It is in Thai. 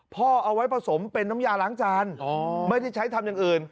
พ่อเอาไว้ผสมเป็นน้ำยาล้างจานไม่ได้ใช้ทำอย่างอื่น